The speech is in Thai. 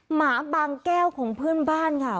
หมาบางแก้วของเพื่อนบ้านค่ะ